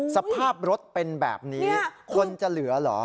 สภาพรถเป็นแบบนี้คนจะเหลือเหรอ